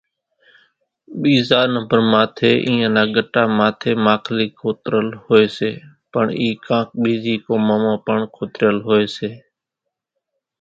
ٻيزا نمڀر ماٿيَ اينيان نا ڳٽا ماٿيَ ماکلِي کوترل هوئيَ سي، پڻ اِي ڪانڪ ٻيزِي قومان مان پڻ کوتريل هوئيَ سي۔